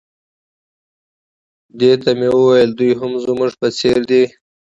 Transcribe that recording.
دې ته مې وویل دوی هم زموږ په څېر دي.